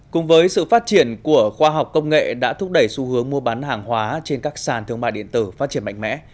cùng với sự phát triển của khoa học công nghệ đã thúc đẩy xu hướng mua bán hàng hóa trên các sàn thương mại điện tử phát triển mạnh mẽ